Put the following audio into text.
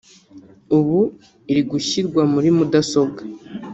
ubu iri gushyirwa muri mudasobwa